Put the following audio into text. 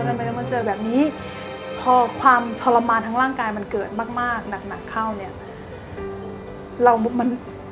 ทำไมมาเจอแบบนี้พอความทรมานทั้งร่างกายมันเกิดมากมากหนักเข้าเนี่ย